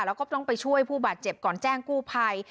แล้วก็ต้องไปช่วยผู้บาดเจ็บก่อนแจ้งกู้ภัย